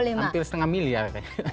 hampir setengah miliar